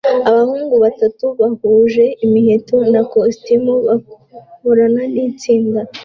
Abahungu batatu bahuje imiheto na kositimu bakorana nitsinda